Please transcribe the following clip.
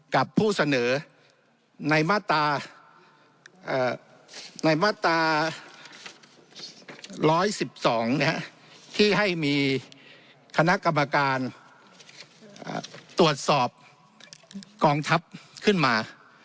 กับผู้เสนอในมาตราในมาตรา๑๑๒ที่ให้มีคณะกรรมการตรวจสอบกองทัพขึ้นมา